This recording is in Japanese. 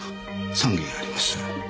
３件あります。